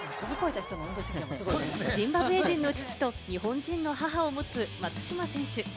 ジンバブエ人の父と日本人の母を持つ松島選手。